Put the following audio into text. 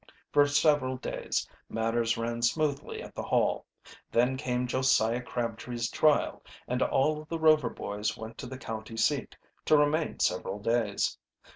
For several days matters ran smoothly at the Hall. Then came Josiah Crabtree's trial, and all of the Rover boys went to the county seat, to remain several days.